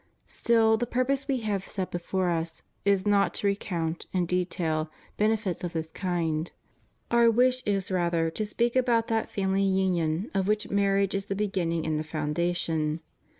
Still the purpose We have set before Us is not to re count, in detail, benefits of this kind; Our wish is rather to speak about that family union of which marriage is the beginning and the foundation.